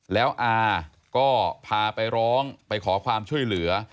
แล้วอาก็พาไปร้องไปขอความช่วยเหลือ